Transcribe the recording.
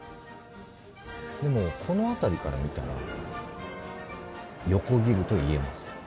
でもこの辺りから見たら「横切る」と言えます。